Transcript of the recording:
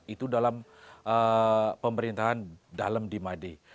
itu dalam pemerintahan dalam di made